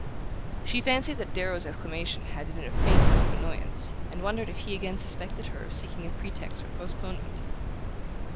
She fancied that Darrow's exclamation had in it a faint note of annoyance, and wondered if he again suspected her of seeking a pretext for postponement.